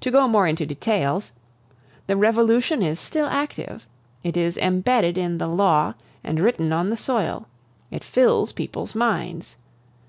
To go more into details: the Revolution is still active; it is embedded in the law and written on the soil; it fills people's minds.